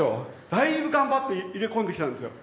だいぶ頑張って入れ込んできたんですよ。